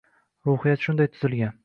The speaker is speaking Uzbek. Ruhiyat shunday tuzilgan.